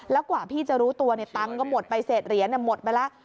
แล้วกว่าพี่จะรู้ตัวตังค์ก็หมดไปเศษเหรียญหมดไปแล้ว